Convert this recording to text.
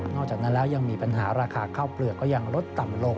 อกจากนั้นแล้วยังมีปัญหาราคาข้าวเปลือกก็ยังลดต่ำลง